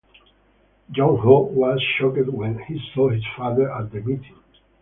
Young-ho was shocked when he saw his father at the meeting.